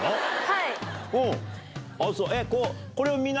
はい。